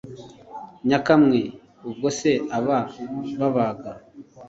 nyakamwe i Ubwo se aba babaga